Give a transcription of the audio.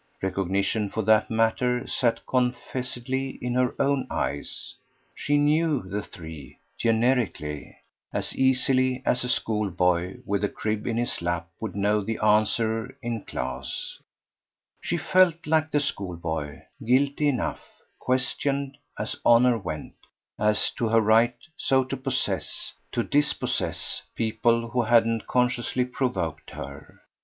Recognition, for that matter, sat confessedly in her own eyes: she KNEW the three, generically, as easily as a school boy with a crib in his lap would know the answer in class; she felt, like the school boy, guilty enough questioned, as honour went, as to her right so to possess, to dispossess, people who hadn't consciously provoked her.